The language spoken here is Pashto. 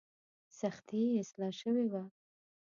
سختي یې اصلاح شوې وه.